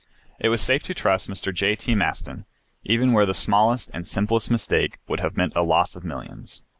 It was safe to trust Mr. J. T. Maston, even where the smallest and simplest mistake would have meant a loss of millions.